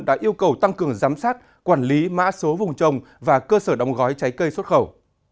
đã yêu cầu tăng cường giám sát quản lý mã số vùng trồng và cơ sở đóng gói trái cây xuất khẩu